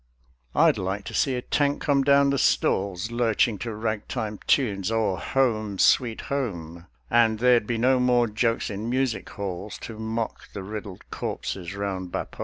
I'd like to see a Tank come down the stalls, Lurching to rag time tunes, or "Home, sweet Home," And there'd be no more jokes in Music halls To mock the riddled corpses round Bapaume.